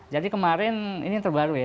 jadi kemarin ini yang terbaru ya